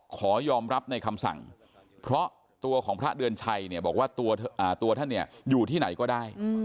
ขอยอมรับในคำสั่งเพราะตัวของพระเดือนชัยเนี่ยบอกว่าตัวท่านเนี่ยอยู่ที่ไหนก็ได้